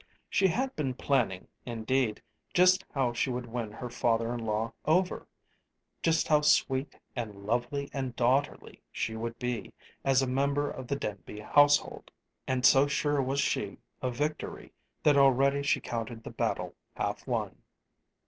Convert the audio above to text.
She had been planning, indeed, just how she would win her father in law over just how sweet and lovely and daughterly she would be, as a member of the Denby household; and so sure was she of victory that already she counted the battle half won.